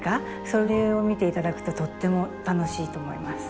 それを見て頂くととっても楽しいと思います。